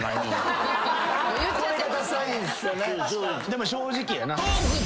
でも正直やな。